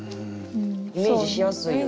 イメージしやすいよね。